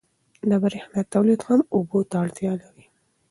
د برېښنا تولید هم اوبو ته اړتیا لري.